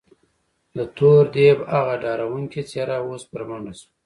د تور دیب هغه ډارونکې څېره اوس بربنډه شوه.